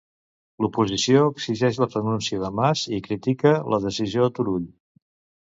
L'oposició exigeix la renúncia de Mas i critica la decisió de Turull.